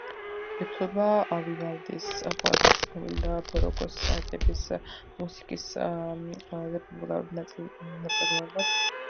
ითვლება ვივალდის ყველაზე ცნობილ და ბაროკოს ტიპის მუსიკის ყველაზე პოპულარულ ნაწარმოებად.